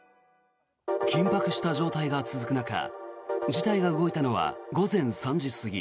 緊迫した状態が続く中事態が動いたのは午前３時過ぎ。